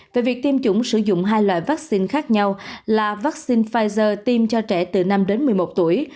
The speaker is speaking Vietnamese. về việc tiêm chủng sử dụng hai loại vaccine khác nhau là vaccine pfizer tiêm cho trẻ từ năm đến một mươi một tuổi